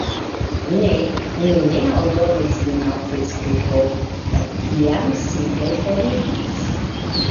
"Ne. Mi ne aldonos vin al Fejsbuko." kaj tiam simple foriris.